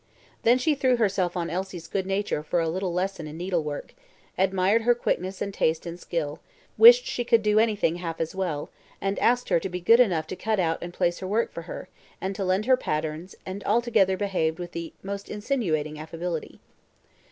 Then she threw herself on Elsie's good nature for a little lesson in needlework, admired her quickness and taste and skill, wished she could do anything half as well, and asked her to be good enough to cut out and place her work for her, and to lend her patterns, and altogether behaved with the most insinuating affability.